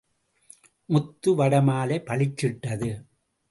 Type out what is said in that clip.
முத்து வடமாலை பளிச்சிட்டது.